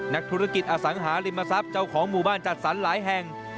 นักธุรกิจอสังหาริมทรัพย์เจ้าของหมู่บ้านจัดสรรหลายแห่ง